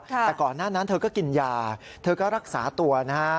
แต่ก่อนหน้านั้นเธอก็กินยาเธอก็รักษาตัวนะฮะ